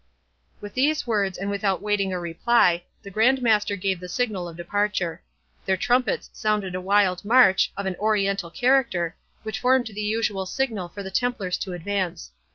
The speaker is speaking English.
With these words, and without waiting a reply, the Grand Master gave the signal of departure. Their trumpets sounded a wild march, of an Oriental character, which formed the usual signal for the Templars to advance.